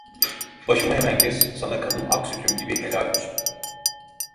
Başımı hemen kes, sana kanım ak sütüm gibi helal olsun…